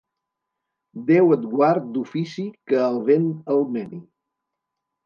Déu et guard d'ofici que el vent el meni.